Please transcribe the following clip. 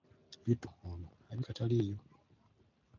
Bittu ono alabika taliiyo.